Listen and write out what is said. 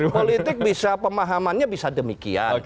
politik bisa pemahamannya bisa demikian